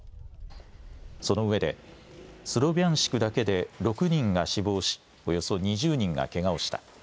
その上で、スロビャンシクだけで６人が死亡し、およそ２０人がけがをした。